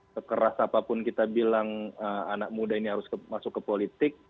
sekeras apapun kita bilang anak muda ini harus masuk ke politik